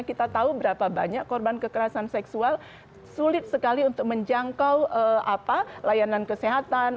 kita tahu berapa banyak korban kekerasan seksual sulit sekali untuk menjangkau layanan kesehatan